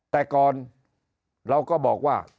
แต่ก่อนเราก็บอกว่า